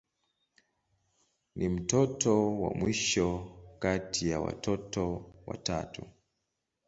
Ni mtoto wa mwisho kati ya watoto watatu.